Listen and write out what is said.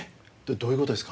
どういう事ですか？